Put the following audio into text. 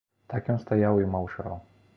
Так ён стаяў і маўчаў.